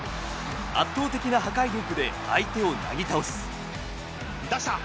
圧倒的な破壊力で相手をなぎ倒す。出した。